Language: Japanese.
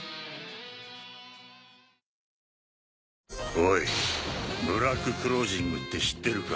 おいブラッククロージングって知ってるか？